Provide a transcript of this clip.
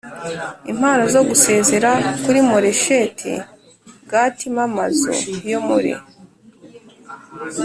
impano zo gusezera kuri Moresheti Gati m Amazu yo muri